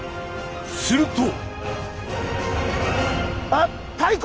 すると！